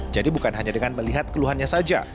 jadi bukan hanya dengan melihat keluhannya saja